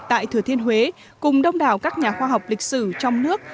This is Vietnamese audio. tại thừa thiên huế cùng đông đảo các nhà khoa học lịch sử trong nước